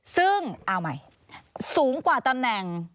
ซึ่งเอาใหม่สูงกว่าตำแหน่ง